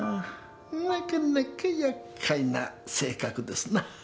なかなかやっかいな性格ですな。